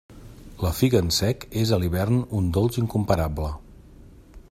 La figa en sec és a l'hivern un dolç incomparable.